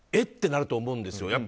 ってなると思うんですよ。